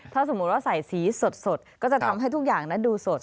ถ้าสมมุติว่าใส่สีสดก็จะทำให้ทุกอย่างนั้นดูสด